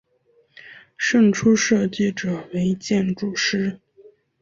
胜出设计者为建筑师。